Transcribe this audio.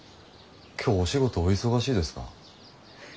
今日お仕事お忙しいですか？